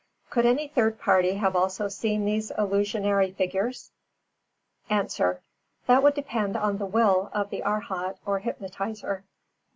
Could any third party have also seen these illusionary figures? A. That would depend on the will of the Arhat or hypnotiser.